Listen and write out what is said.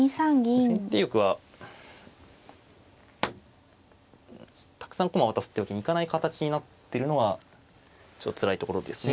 先手玉はたくさん駒を渡すっていうわけにはいかない形になってるのはちょっとつらいところですね。